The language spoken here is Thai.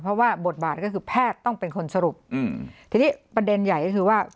เพราะว่าบทบาทก็คือแพทย์ต้องเป็นคนสรุปอืมทีนี้ประเด็นใหญ่ก็คือว่า